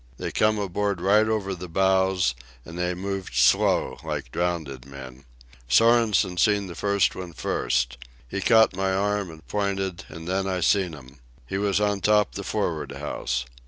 They come aboard right over the bows, an' they moved slow like drownded men. Sorensen seen the first one first. He caught my arm an' pointed, an' then I seen 'm. He was on top the for'ard house.